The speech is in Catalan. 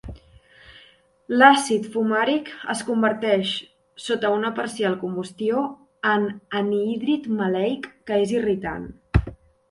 L'àcid fumàric es converteix, sota una parcial combustió, en anhídrid maleic que és irritant.